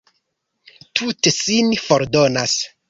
Tute sin fordonas!